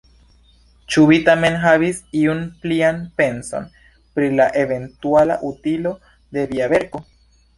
Ĉu vi tamen havis iun plian penson, pri la eventuala utilo de via verko?